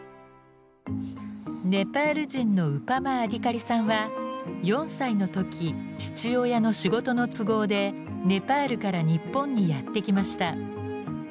ネパール人のウパマ・アディカリさんは４歳の時父親の仕事の都合でネパールから日本にやって来ました。